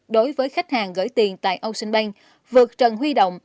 đối với khách hàng gửi tiền tại ocean bank vượt trần huy động